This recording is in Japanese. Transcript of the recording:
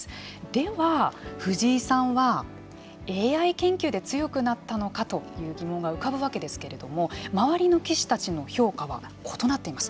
では藤井さんはＡＩ研究で強くなったのかという疑問が浮かぶわけですけれども周りの棋士たちの評価は異なっています。